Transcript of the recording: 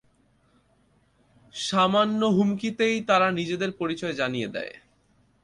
সামান্য হুমকিতেই তারা নিজেদের পরিচয় জানিয়ে দেয়।